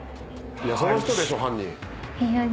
その人でしょ犯人。